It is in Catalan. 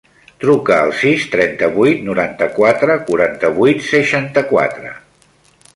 Truca al sis, trenta-vuit, noranta-quatre, quaranta-vuit, seixanta-quatre.